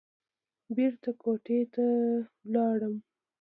بېرته کوټې ته لاړم.